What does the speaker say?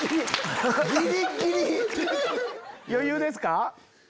余裕ですか？